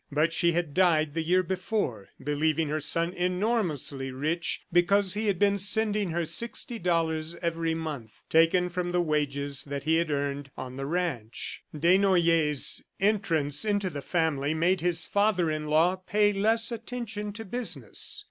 But she had died the year before, believing her son enormously rich because he had been sending her sixty dollars every month, taken from the wages that he had earned on the ranch. Desnoyers' entrance into the family made his father in law pay less attention to business.